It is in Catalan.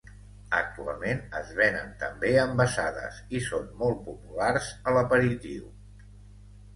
Actualment es vénen també envasades i són molt populars a l'aperitiu.